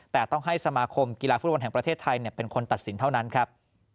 แต่ต้องให้สมาคมกีฬาฟุตบอลแห่งประเทศไทยเป็นคนตัดสินเท่านั้นครับ